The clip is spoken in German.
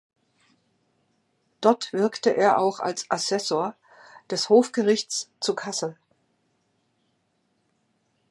Dort wirkte er auch als Assessor des Hofgerichts zu Kassel.